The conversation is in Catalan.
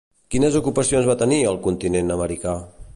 Quines ocupacions va tenir al continent americà?